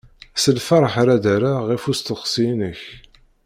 S lferḥ ara d-rreɣ ɣef usteqsi-inek.